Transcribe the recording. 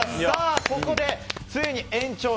ここで、ついに延長戦。